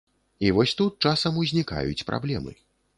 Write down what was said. І вось тут часам узнікаюць праблемы.